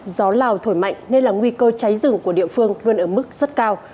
gió lào thổi mạnh nên là nguy cơ cháy rừng của địa phương luôn ở mức rất cao